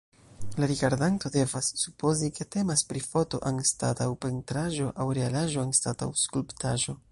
La rigardanto devas supozi, ke temas pri foto anstataŭ pentraĵo aŭ realaĵo anstataŭ skulptaĵo.